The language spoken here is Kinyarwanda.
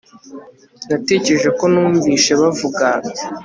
natekereje ko numvise bavuga